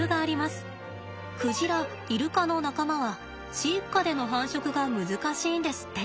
クジライルカの仲間は飼育下での繁殖が難しいんですって。